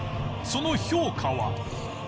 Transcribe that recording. その評価は？